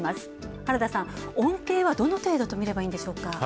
原田さん、恩恵はどの程度とみればいいんでしょうか？